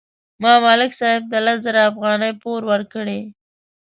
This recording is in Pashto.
ما ملک صاحب ته لس زره افغانۍ پور ورکړې.